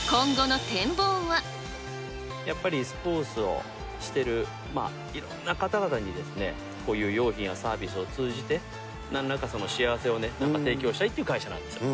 やっぱりスポーツをしてる、いろんな方々に、こういう用品やサービスを通じて、なんらか、幸せを提供したいっていう会社なんです。